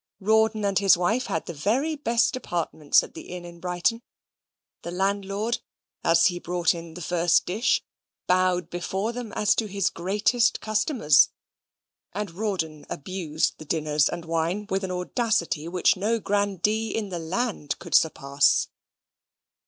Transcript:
Rawdon and his wife had the very best apartments at the inn at Brighton; the landlord, as he brought in the first dish, bowed before them as to his greatest customers: and Rawdon abused the dinners and wine with an audacity which no grandee in the land could surpass.